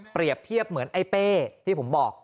เทียบเหมือนไอ้เป้ที่ผมบอก